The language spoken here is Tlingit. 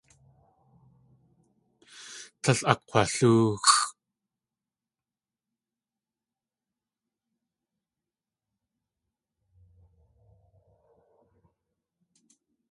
Tlél akg̲walóoxʼ.